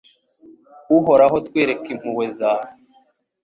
Uhoraho twereke impuhwe zawe